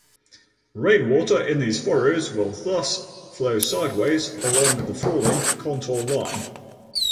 Rain water in these furrows will thus flow sideways along the falling "contour" line.